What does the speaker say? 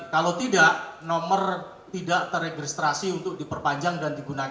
kalau tidak nomor tidak terregistrasi untuk diperpanjang dan digunakan